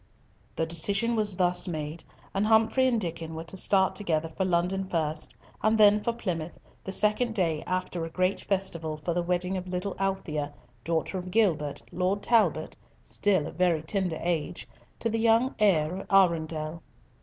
The decision was thus made, and Humfrey and Diccon were to start together for London first, and then for Plymouth, the second day after a great festival for the wedding of the little Alethea, daughter of Gilbert, Lord Talbot—still of very tender age—to the young heir of Arundel.